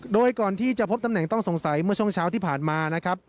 โดยก่อนที่จะพบตำแหน่งต้องสงสัยเมื่อช่วงเช้าที่ผ่านมานะครับ